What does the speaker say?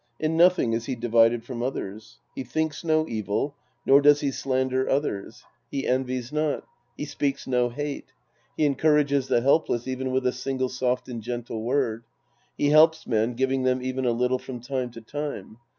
In nothing is he divided from others, He thinks no evil, nor does he slander others. 224 The Priest and His Disciples Act VI He envies not. He speaks no hate. He encourages the helpless even with a single soft and gentle word. He helps men, giving them even a little from time to time.